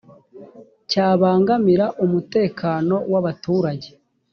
cyabangamira umutekano w abaturage